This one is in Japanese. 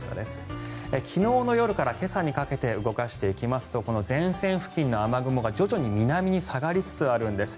昨日の夜から今朝にかけて動かしていきますとこの前線付近の雨雲が徐々に南に下がりつつあるんです。